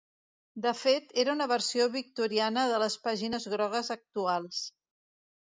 De fet, era una versió victoriana de les pàgines grogues actuals.